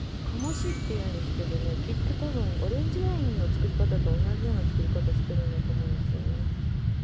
かもしっていうんですけどねきっとたぶんオレンジワインの造り方と同じような造り方してるんだと思うんですよね。